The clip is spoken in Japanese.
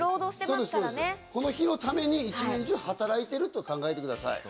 この日のために一年中働いていると考えてください。